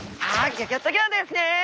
ギョギョッと号ですね！